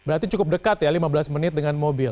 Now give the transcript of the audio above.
berarti cukup dekat ya lima belas menit dengan mobil